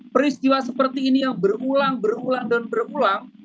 peristiwa seperti ini yang berulang berulang dan berulang